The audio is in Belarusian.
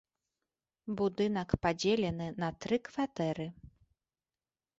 Будынак падзелены на тры кватэры.